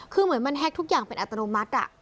คือเหมือนมันแฮ็กทุกอย่างเป็นอัตโนมัติ